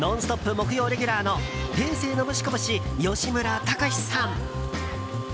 木曜レギュラーの平成ノブシコブシ、吉村崇さん。